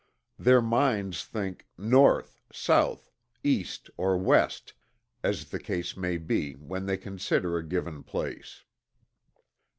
Their minds think "north, south, east or west" as the case may be when they consider a given place.